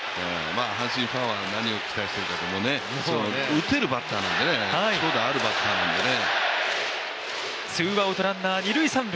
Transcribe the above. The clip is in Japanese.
阪神ファンは何を期待しているのかっていうところで、打てるバッターなので、長打あるバッターなのでね。